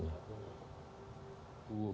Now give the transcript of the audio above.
dulu pernyataan dari febri diansah berikutnya